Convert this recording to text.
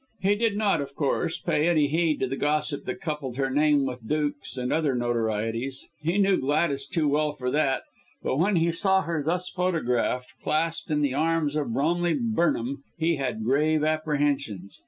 He did not, of course, pay any heed to the gossip that coupled her name with dukes and other notorieties. He knew Gladys too well for that, but when he saw her thus photographed, clasped in the arms of Bromley Burnham, he had grave apprehensions.